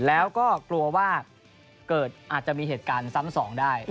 แล้วก็กลัวว่าเกิดอาจจะมีเหตุการณ์ซ้ำสองได้